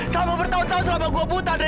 selama bertahun tahun selama gue buta ndre